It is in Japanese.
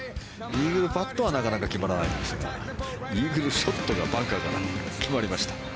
イーグルパットはなかなか決まらないんですがイーグルショットがバンカーから決まりました。